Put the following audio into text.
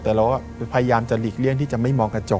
แต่เราก็พยายามจะหลีกเลี่ยงที่จะไม่มองกระจก